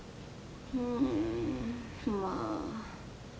うんまあ